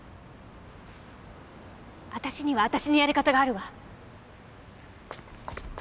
私には私のやり方があるわ。